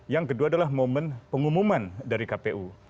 yang kedua adalah momen pengumuman dari kpu